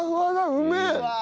うめえ！